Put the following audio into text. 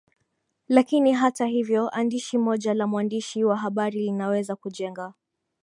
lakini hata hivyo andishi moja la mwandishi wa habari linaweza kujenga